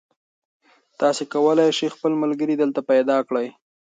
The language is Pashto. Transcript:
تاسي کولای شئ خپل ملګري دلته پیدا کړئ.